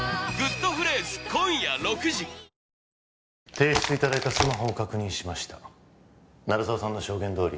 提出いただいたスマホを確認しました鳴沢さんの証言どおり